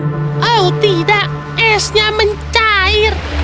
oh tidak esnya mencair